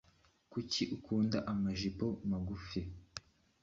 Kuki ukunda amajipo magufi?